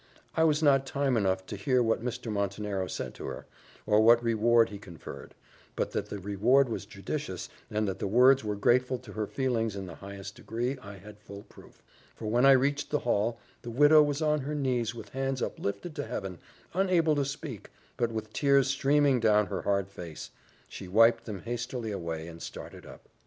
I was not time enough to hear what Mr. Montenero said to her, or what reward he conferred; but that the reward was judicious, and that the words were grateful to her feelings in the highest degree, I had full proof; for when I reached the hall, the widow was on her knees, with hands uplifted to Heaven, unable to speak, but with tears streaming down her hard face: she wiped them hastily away, and started up.